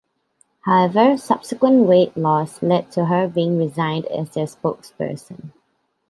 However, subsequent weight loss led to her being re-signed as their spokesperson.